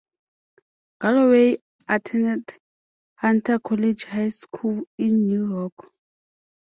Galloway attended Hunter College High School in New York.